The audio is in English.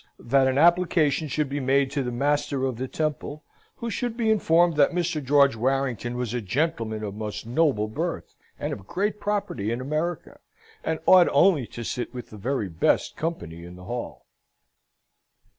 that an application should be made to the Master of the Temple, who should be informed that Mr. George Warrington was a gentleman of most noble birth, and of great property in America, and ought only to sit with the very best company in the Hall.